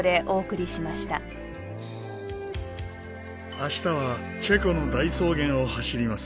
明日はチェコの大草原を走ります。